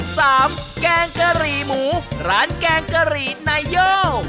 แกงกะหรี่หมูร้านแกงกะหรี่นาย่อ